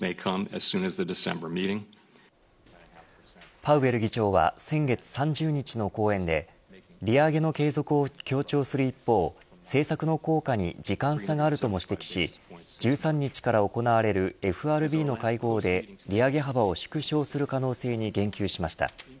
パウエル議長は先月３０日の講演で利上げの継続を強調する一方政策の効果に時間差があるとも指摘し１３日から行われるＦＲＢの会合で利上げ幅を縮小する可能性に言及しました。